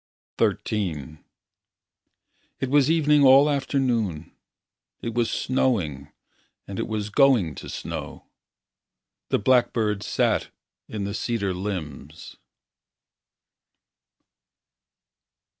XIII It was evening all afternoon. It was snowing And it was going to snow. The blackbird sat In the cedar limbs.